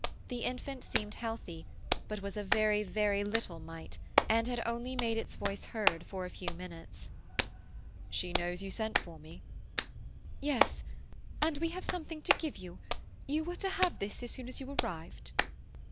The infant seemed healthy, but was a very, very little mite, and had only made its voice heard for a few minutes. "She knows you sent for me?" "Yes. And we have something to give you. You were to have this as soon as you arrived."